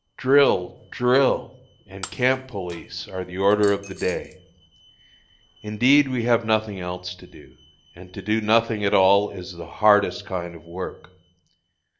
Drill! drill! and camp police are the order of the day. Indeed we have nothing else to do, and to do nothing at all is the hardest kind of work.